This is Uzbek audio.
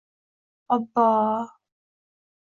Obbo!